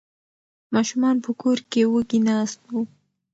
ماشومان په کور کې وږي ناست وو.